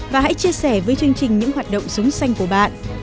và hãy chia sẻ với chương trình những hoạt động sống xanh của bạn